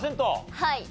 はい。